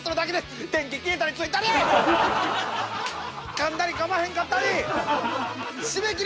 かんだりかまへんかったり。